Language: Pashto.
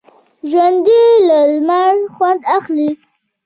ژوندي له لمر خوند اخلي